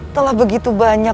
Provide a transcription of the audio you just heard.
telah begitu banyak